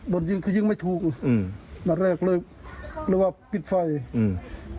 โดนยิงคือยิงไม่ถูกอืมนัดแรกเลยเรียกว่าปิดไฟอืม